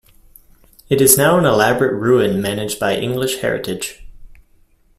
It is now an elaborate ruin managed by English-Heritage.